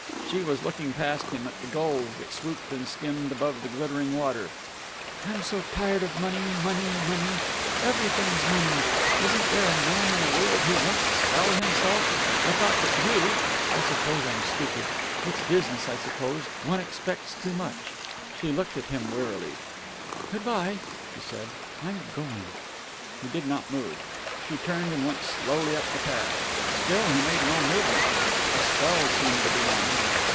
She was looking past him, at the gulls that swooped and skimmed above the glittering water. "I'm so tired of money money money. Everything's money. Isn't there a man in the world who won't sell himself? I thought that you I suppose I'm stupid. It's business, I suppose. One expects too much." She looked at him wearily. "Good by," she said. "I'm going." He did not move. She turned, and went slowly up the path. Still he made no movement. A spell seemed to be on him.